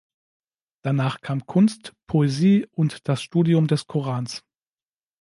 Danach kam Kunst, Poesie und das Studium des Korans.